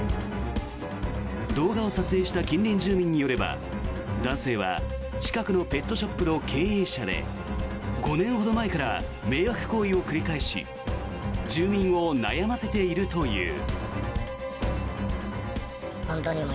動画を撮影した近隣住民によれば男性は近くのペットショップの経営者で５年ほど前から迷惑行為を繰り返し住民を悩ませているという。